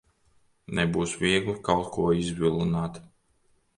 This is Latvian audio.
Nebūs viegli kaut ko izvilināt.